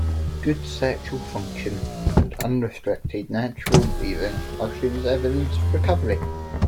Good sexual function and unrestricted, natural breathing are seen as evidence of recovery.